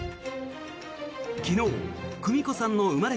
昨日、久美子さんの生まれ